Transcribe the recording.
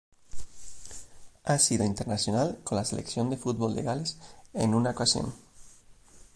Ha sido internacional con la selección de fútbol de Gales en una ocasión.